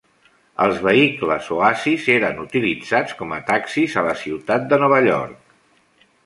Els vehicles Oasis eren utilitzats com a taxis a la ciutat de Nova York.